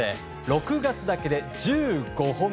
６月だけで１５本。